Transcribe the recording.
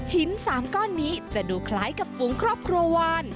หิน๓ก้อนนี้จะดูคล้ายกับฝูงครอบครัววาน